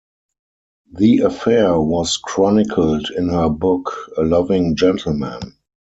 The affair was chronicled in her book "A Loving Gentleman".